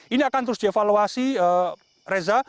ini akan terus dievaluasi reza